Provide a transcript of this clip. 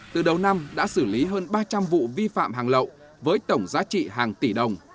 từ đầu năm đã xử lý hơn ba trăm linh vụ vi phạm hàng lậu với tổng giá trị hàng tỷ đồng